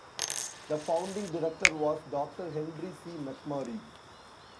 The founding Director was Doctor Henry C. McMurray.